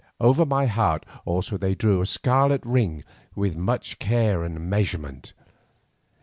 Over my heart also they drew a scarlet ring with much care and measurement.